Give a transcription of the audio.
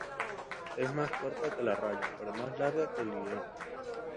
Es más corta que la raya, pero más larga que el guion.